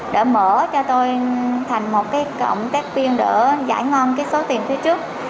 để mở cho tôi thành một cái cộng tác viên để giải ngon cái số tiền thứ trước